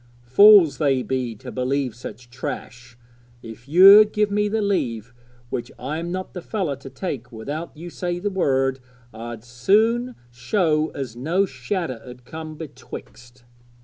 Fools they be to believe such trash! If you'd give me the leave which I'm not the fellow to take without you say the word I'd soon show as no shadder 'ud come betwixt.'